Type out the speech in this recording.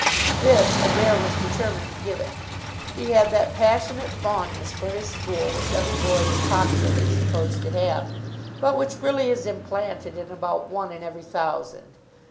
This Adair was determined to give it. He had that passionate fondness for his school which every boy is popularly supposed to have, but which really is implanted in about one in every thousand.